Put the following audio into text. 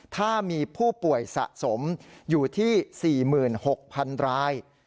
ถ้ามีผู้ป่วยสะสมอยู่ที่๔๖๐๐๐ราย